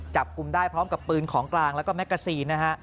จับกลุ่มได้พร้อมกับปืนของกลางแล้วก็แมกกาซีนนะฮะ